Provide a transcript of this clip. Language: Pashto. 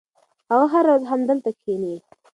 هغه هره ورځ همدلته کښېني.